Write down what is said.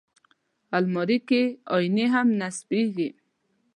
الماري کې آیینې هم نصبېږي